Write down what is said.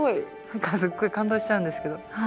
何かすごい感動しちゃうんですけど。